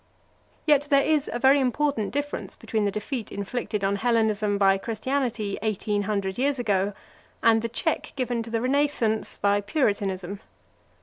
Yet there is a very important difference between the defeat inflicted on Hellenism by Christianity eighteen hundred years ago, and the check given to the Renascence by Puritanism.